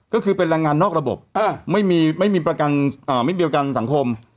ก็คือเป็นรางงานนอกระบบไม่มีเปรียบรีวิวการสังคม